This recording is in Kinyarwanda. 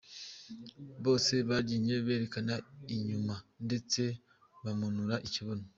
Bose babyinnye berekana inyuma ndetse bamanura ikibuno.